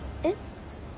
えっ。